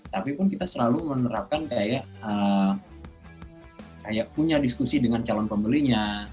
tapi pun kita selalu menerapkan kayak punya diskusi dengan calon pembelinya